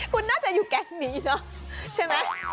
คุณน่าจะอยู่แก๊งนี้เนอะใช่ไหม